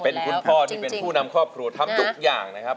เป็นคุณพ่อที่เป็นผู้นำครอบครัวทำทุกอย่างนะครับ